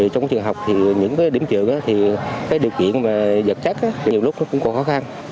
trong trường học những điểm trường điều kiện giật chắc nhiều lúc cũng còn khó khăn